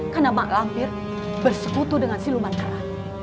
karena malampir bersekutu dengan siluman kera